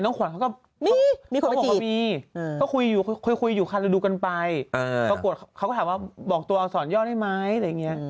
น้องขวัญเขาก็บอกว่ามี